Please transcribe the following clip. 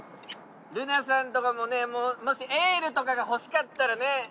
ＬＵＮＡさんとかもねもしエールとかがほしかったらね。